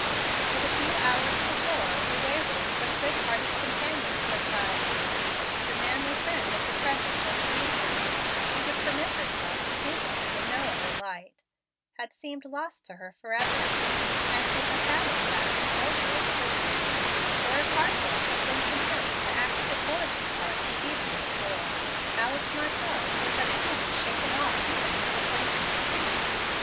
But a few hours before, the wayward but good hearted companion of her childhood, the manly friend of the present and future, she would permit herself to think of him in no other light, had seemed lost to her forever; to have had in fact no real existence; for if Harcourt had been content to act De Forrest's part the evening before, Alice Martell would have soon shaken off even his acquaintance.